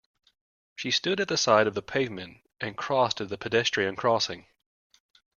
She stood at the side of the pavement, and crossed at the pedestrian crossing